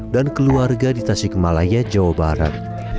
dan keluarga di tasikmalaya jawa barat